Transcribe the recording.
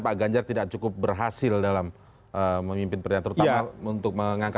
pak ganjar tidak cukup berhasil dalam memimpin pernyataan terutama untuk mengangkat